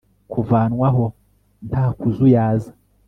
kuvanwaho nta kuzuyaza